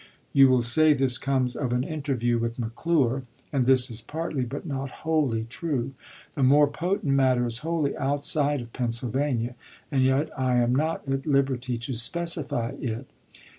You will say this comes of an interview with McClure ; and this is partly, but not wholly, true. The more potent matter is wholly outside of Pennsylvania; and yet I am not at liberty to specify it.